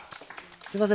すみません